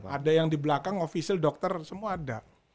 ada yang di belakang ofisial dokter semua ada